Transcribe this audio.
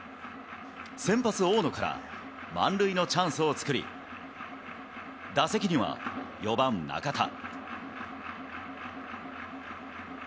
先発、大野から満塁のチャンスを作り、打席には４番中田。